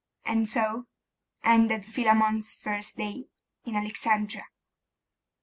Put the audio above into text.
And so ended Philammon's first day in Alexandria.